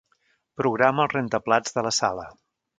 Programa el rentaplats de la sala.